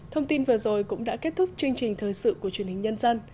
thông tin vừa rồi cũng đã kết thúc chương trình thời sự của truyền hình nhân dân